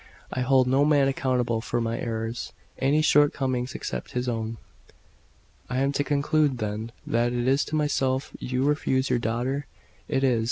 I hold no man accountable for any errors, any shortcomings, except his own." "I am to conclude, then, that it is to myself you refuse your daughter?" "It is."